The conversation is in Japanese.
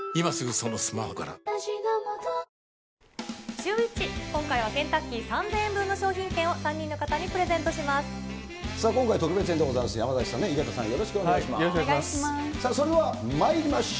シューＷｈｉｃｈ、今回はケンタッキー３０００円分の商品券を３人の方にプレゼントさあ、今回特別編でございます。